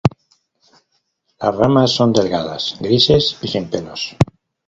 Las ramas son delgadas, grises y sin pelos.